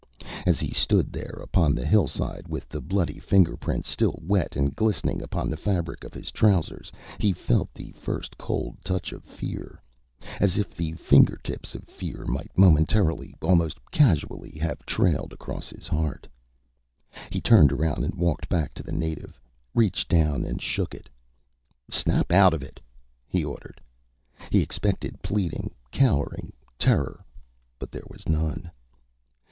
And as he stood there upon the hillside, with the bloody fingerprints still wet and glistening upon the fabric of his trousers, he felt the first cold touch of fear, as if the fingertips of fear might momentarily, almost casually, have trailed across his heart. He turned around and walked back to the native, reached down and shook it. "Snap out of it," he ordered. He expected pleading, cowering, terror, but there was none.